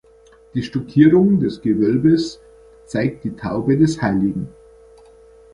Die Stuckierung des Gewölbes zeigt die Taube des hl.